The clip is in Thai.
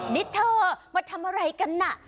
นี่เธอมาทำอะไรกันน่ะ